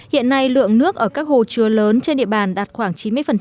hiện nay lượng nước ở các hồ chứa lớn trên địa bàn đạt khoảng chín mươi